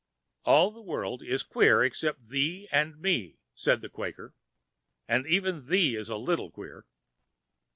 "All the world is queer except thee and me," said the Quaker, "and even thee is a little queer!"